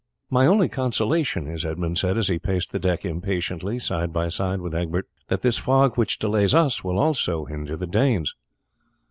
"My only consolation is," Edmund said as he paced the deck impatiently side by side with Egbert, "that this fog which delays us will also hinder the Danes."